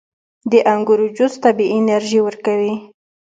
• د انګورو جوس طبیعي انرژي ورکوي.